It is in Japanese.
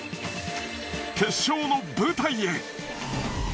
決勝の舞台へ！